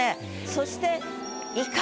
そして「碇」。